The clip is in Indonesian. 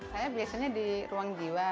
saya biasanya di ruang jiwa